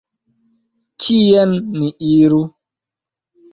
Kien ni iru?